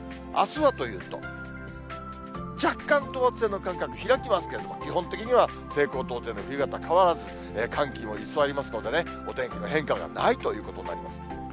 あすはというと、若干等圧線の間隔開きますけれども、基本的には西高東低の冬型変わらず、寒気も居座りますのでね、お天気の変化がないということになります。